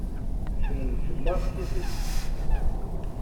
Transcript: Ffren fell-aɣ tidet.